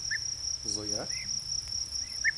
Зоя?!